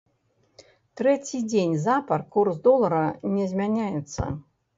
Трэці дзень запар курс долара не змяняецца.